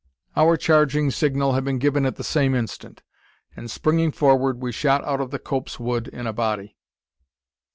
Our charging signal had been given at the same instant; and springing forward, we shot out of the copse wood in a body.